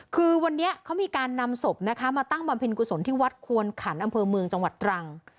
คือวันนี้เขามีการนำศพนะคะมาตั้งบำเพ็ญกุศลที่วัดควนขันอำเภอเมืองจังหวัดตรัง